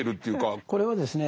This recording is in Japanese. これはですね